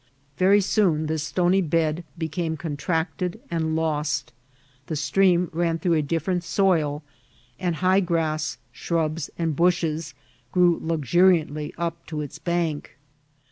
Very soon this stony bed became contracted and lost ; the stream ran through a different soil, and high grass, shrubs, and bushes grew luxuriant* ly up to its bank.